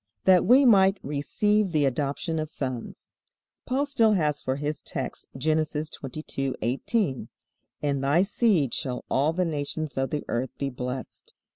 That we might receive the adoption of sons. Paul still has for his text Genesis 22:18, "In thy seed shall all the nations of the earth be blessed."